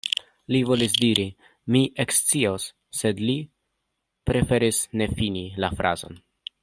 Li volis diri: „mi ekscios“, sed li preferis ne fini la frazon.